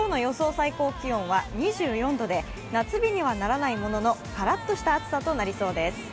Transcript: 最高気温は２４度で夏日にはならないものの、カラッとした暑さになりそうです。